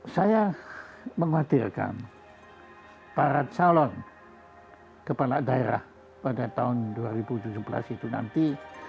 saya mengkhawatirkan para calon kepala daerah pada tahun dua ribu tujuh belas itu nanti